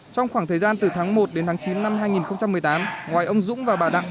trong khoảng thời gian từ tháng một đến tháng chín năm hai nghìn một mươi tám ngoài ông dũng và bà đặng